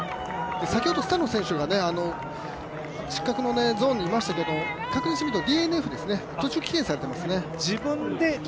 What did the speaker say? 先ほどスタノ選手が失格のゾーンにいましたけど、途中棄権されていますね。